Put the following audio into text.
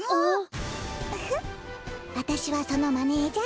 ウフわたしはそのマネージャー。